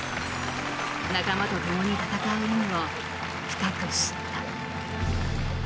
仲間とともに戦う意味を深く知った。